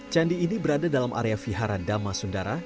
candi ini berada dalam area vihara dhammasundara